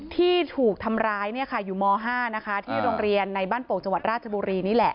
ที่ถูกทำร้ายอยู่ม๕นะคะที่โรงเรียนในบ้านโป่งจังหวัดราชบุรีนี่แหละ